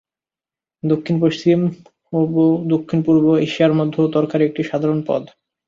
দক্ষিণ, পশ্চিম ও দক্ষিণপূর্ব এশিয়ার মধ্যে তরকারী একটি সাধারণ পদ।